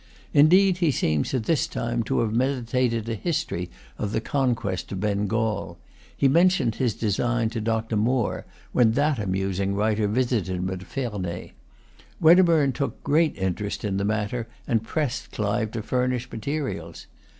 Indeed he seems, at this time, to have meditated a history of the conquest of Bengal. He mentioned his design to Dr. Moore, when that amusing writer visited him at Ferney. Wedderburne took great interest in the matter, and pressed Clive to furnish materials.